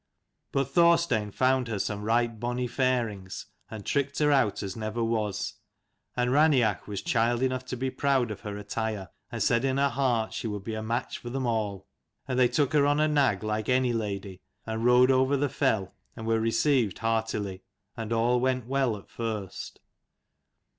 But Thorstein found her some right bonny fairings and tricked her out as never was : and Raineach was child enough to be proud of her attire, and said in her heart she would be a match for them all. And they took her on a nag like any lady, and rode over the fell, and were received heartily ; and all went well at first.